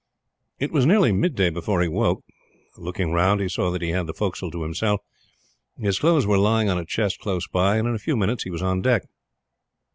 It was nearly midday before he woke. Looking round he saw that he had the forecastle to himself. His clothes were lying on a chest close by, and in a few minutes he was on deck.